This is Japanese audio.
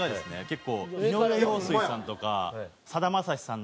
結構井上陽水さんとかさだまさしさん